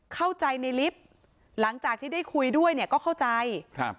เข้าใจในลิฟต์หลังจากที่ได้คุยด้วยเนี่ยก็เข้าใจครับ